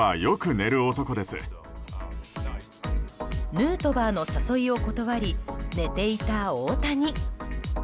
ヌートバーの誘いを断り寝ていた大谷。